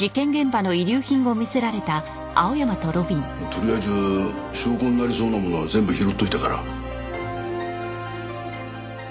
とりあえず証拠になりそうなものは全部拾っておいたから。